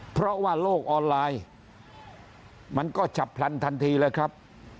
เพราะว่าโลกออนไลน์มันก็ฉับพลันทันทีเลยครับ